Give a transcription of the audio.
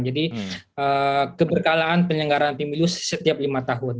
jadi keberkalaan penyelenggaraan pemilu setiap lima tahun